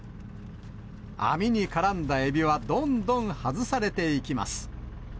網に絡んだエビはどんどん外されていきます。